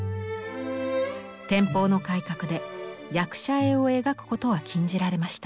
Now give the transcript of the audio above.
天保の改革で役者絵を描くことは禁じられました。